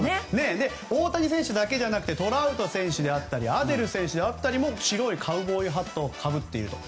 大谷選手だけじゃなくてトラウト選手であったりアデル選手であったりも白いカウボーイハットをかぶっていると。